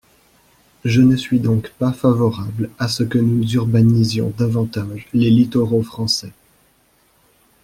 Je ne suis donc pas favorable à ce que nous urbanisions davantage les littoraux français.